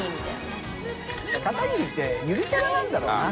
片桐ってゆるキャラなんだろうな